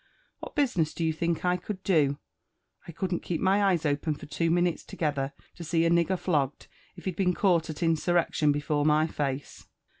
What business do you think I could do ? I couldn't keep my eyes open* for two minutes together, to see a nig— ger flogged, if he'd been caught at insurrection before my face."